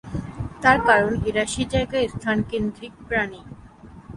তার কারণ এরা সে জায়গার স্থান-কেন্দ্রিক প্রাণী।